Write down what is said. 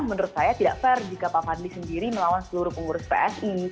menurut saya tidak fair jika pak fadli sendiri melawan seluruh pengurus psi